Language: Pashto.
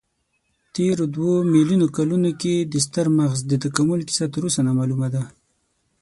تېرو دوو میلیونو کلونو کې د ستر مغز د تکامل کیسه تراوسه نامعلومه ده.